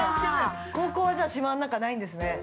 高校は、じゃあ島の中にないんですね。